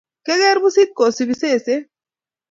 kiageer pusit kosupii sesee